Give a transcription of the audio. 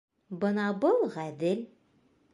Бына был ғәҙел!